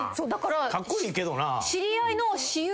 カッコイイけどな。